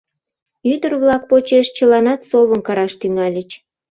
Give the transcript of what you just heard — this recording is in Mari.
Ӱдыр-влак почеш чыланат совым кыраш тӱҥальыч.